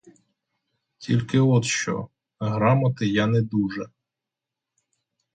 Тільки от що: грамоти я не дуже.